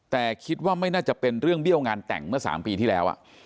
แต่คิดว่าไม่น่าจะเป็นเรื่องเบี้ยวงานแต่งเมื่อ๓ปีที่แล้ว